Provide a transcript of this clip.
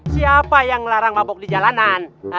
siapa yang melarang mabok di jalanan